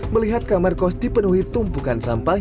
melihat kamar kos dipenuhi tumpukan sampah